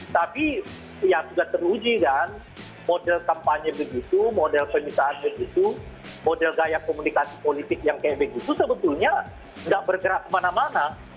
tapi yang sudah teruji kan model kampanye begitu model penyitaan begitu model gaya komunikasi politik yang kayak begitu sebetulnya tidak bergerak kemana mana